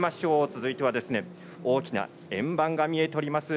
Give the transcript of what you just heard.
続いては大きな円盤が見えております。